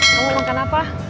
kamu mau makan apa